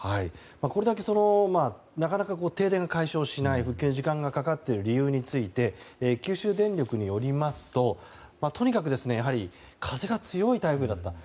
これだけなかなか停電が解消しない復旧に時間がかかっている理由について九州電力によりますととにかく風が強い台風だったと。